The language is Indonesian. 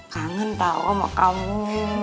kangen tau sama kamu